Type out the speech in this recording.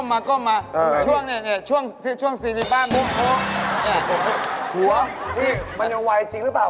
มันเยอะไวจริงหรือเปล่า